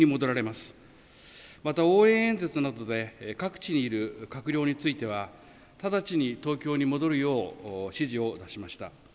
また応援演説などで各地にいる閣僚については直ちに東京に戻るよう指示を出しました。